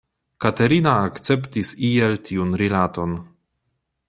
Katerina akceptis iel tiun rilaton.